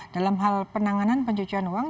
dalam hal penanganan pencucian uang